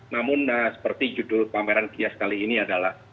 namun seperti judul pameran gias kali ini adalah